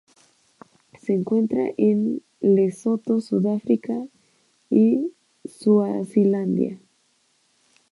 Se encuentra en Lesoto, Sudáfrica y Suazilandia.